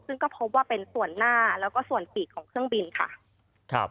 ซึ่งก็พบว่าเป็นส่วนหน้าแล้วก็ส่วนปีกของเครื่องบินค่ะครับ